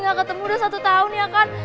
gak ketemu udah satu tahun ya kan